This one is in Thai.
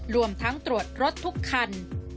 รวมทั้งตรวจรถทุกคัน